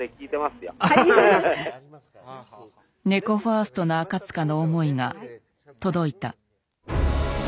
猫ファーストな赤塚の思いが届いた。